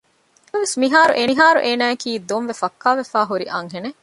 ނަމަވެސް މިހާރު އޭނާއަކީ ދޮންވެ ފައްކާވެފައި ހުރި އަންހެނެއް